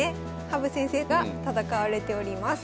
羽生先生が戦われております。